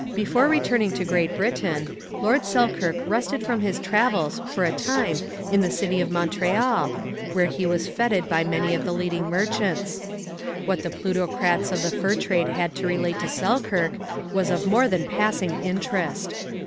] Before returning to Great Britain, Lord Selkirk rested from his travels for a time in the city of Montreal, where he was fêted by many of the leading merchants. What the plutocrats of the fur trade had to relate to Selkirk was of more than passing interest.